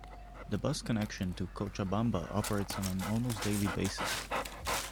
The bus connection to Cochabamba operates on an almost daily basis.